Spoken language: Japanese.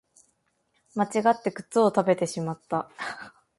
間違って靴を食べてしまった